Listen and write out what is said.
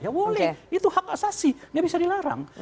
ya boleh itu hak asasi nggak bisa dilarang